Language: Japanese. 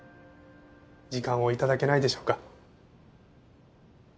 時間を頂けないでしょうか？